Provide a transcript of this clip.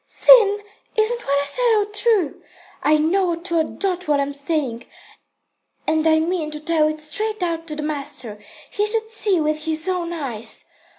"Sin? Isn't what I said all true? I know to a dot what I'm saying, and I mean to tell it straight out to the master. He should see with his own eyes.